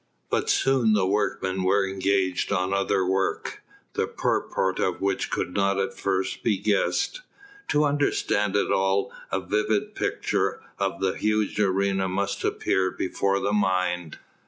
But soon the workmen were engaged on other work, the purport of which could not at first be guessed. To understand it at all a vivid picture of the huge arena must appear before the mind.